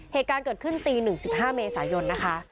เหตุการณ์เกิดขึ้นตี๑๕เมษายนนะคะ